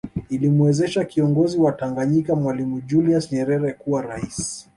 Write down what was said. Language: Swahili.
Ilimwezesha kiongozi wa Tanganyika Mwalimu Julius Nyerere kuwa rais